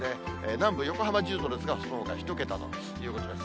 南部、横浜１０度ですが、そのほか１桁ということです。